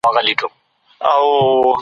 الله په دې شپه خپلو بندګانو ته ګوري.